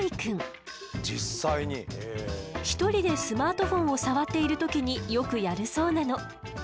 １人でスマートフォンを触っている時によくやるそうなの。